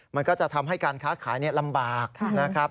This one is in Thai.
มันก็จะทำให้การค้าขายลำบากนะครับ